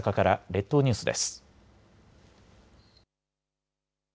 列島ニュースです。